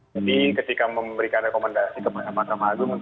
jadi ketika memberikan rekomendasi ke mahkamah agung